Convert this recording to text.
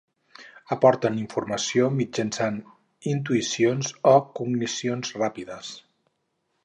Aporten informació mitjançant intuïcions o cognicions ràpides.